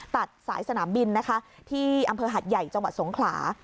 ตัดสายสนามบินนะคะที่อำเภอหัดใหญ่จังหวัดสงขลา